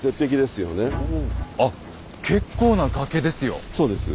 あっ結構な崖ですよ。